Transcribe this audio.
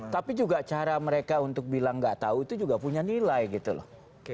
tapi juga cara mereka untuk bilang nggak tahu itu juga punya nilai gitu loh